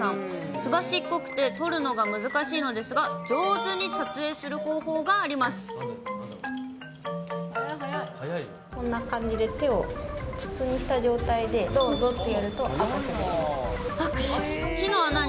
すばしっこくて、撮るのが難しいのですが、上手に撮影する方法がこんな感じで、手を筒にした状態で、どうぞってやると、握手してくれます。